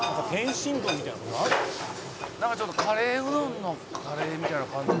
「ちょっとカレーうどんのカレーみたいな感じなのかな？」